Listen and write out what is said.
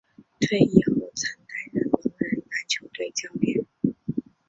退役后曾担任聋人篮球队教练。